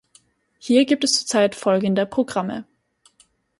Hier gibt es zurzeit folgende Programme.